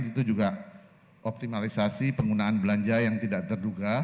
itu juga optimalisasi penggunaan belanja yang tidak terduga